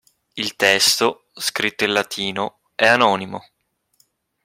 Il testo, scritto in latino, è anonimo.